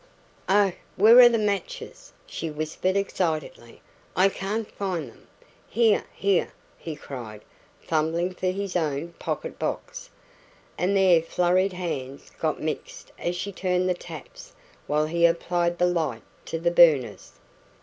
"Oh, where are the matches?" she whispered excitedly. "I can't find them." "Here here!" he cried, fumbling for his own pocket box. And their flurried hands got mixed as she turned the taps while he applied the light to the burners.